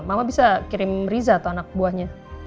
mama bisa kirim riza atau anak buahnya